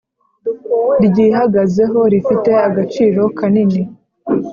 ryihagazeho: rifite agaciro kanini.